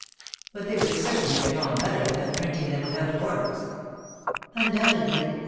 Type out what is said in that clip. But they could certainly get on better without printing than without corks." " Undoubtedly.